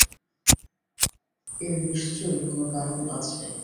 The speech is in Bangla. এর নিশ্চয়ই কোনো কারণ আছে।